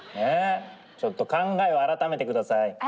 ちょっと考えを改めてください。